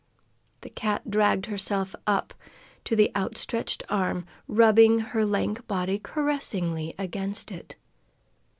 The cat dragged herself up to the outstretched arm, rubbing her lank body caressingly against it.